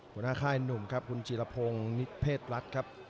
หัวหน้าค่ายหนุ่มครับคุณจีรพงศ์นิดเพศรัฐครับ